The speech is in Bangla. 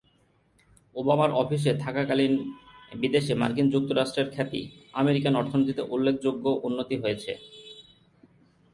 ওবামার অফিসে থাকাকালীন বিদেশে মার্কিন যুক্তরাষ্ট্রের খ্যাতি, আমেরিকান অর্থনীতিতে উল্লেখযোগ্য উন্নতি হয়েছে।